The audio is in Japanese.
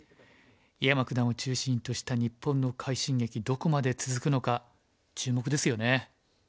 井山九段を中心とした日本の快進撃どこまで続くのか注目ですよね。